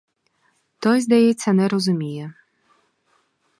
Той, здається, не розуміє.